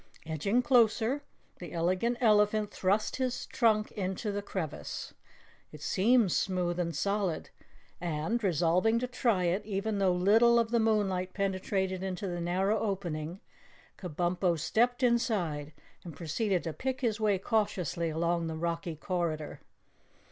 Edging closer, the Elegant Elephant thrust his trunk into the crevice. It seemed smooth and solid, and, resolved to try it even though little of the moonlight penetrated into the narrow opening, Kabumpo stepped inside and proceeded to pick his way cautiously along the rocky corridor.